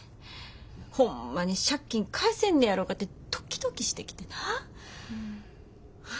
ホンマに借金返せんねやろかってドキドキしてきてな。